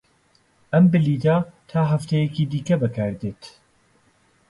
ئەم بلیتە تا هەفتەیەکی دیکە بەکاردێت.